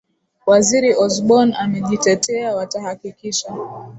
waziri osborn amejitetea watahakikisha